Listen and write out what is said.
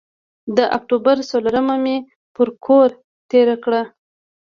د اکتوبر څورلسمه مې پر کور تېره کړه.